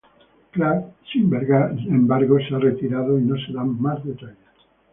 Clark, sin embargo, se ha retirado, y no se dan más detalles.